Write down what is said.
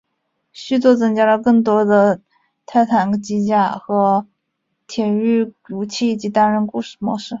续作增加了更多的泰坦机甲和铁驭武器以及单人故事模式。